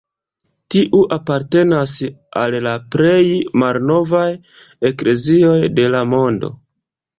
Tiu apartenas al la plej malnovaj eklezioj de la mondo.